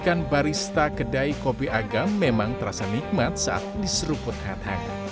makan barista kedai kopi agam memang terasa nikmat saat diseruput hat hat